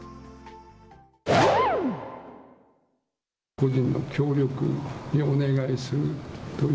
個人の協力にお願いするとい